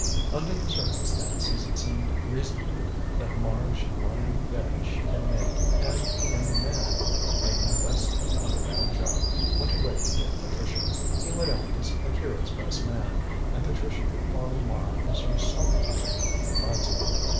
Under the circumstances it seemed reasonable that Mara should lie on the bed she had made and the young man, making the best of a bad job, went away to get Patricia. He would act as Akira's best man, and Patricia could follow Mara as her solitary bridesmaid.